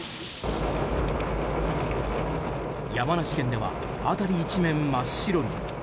山梨県では辺り一面真っ白に。